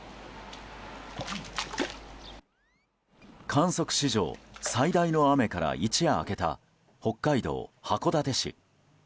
観測史上最大の雨から一夜明けた、北海道函館市。